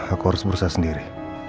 aku harus berusaha sendiri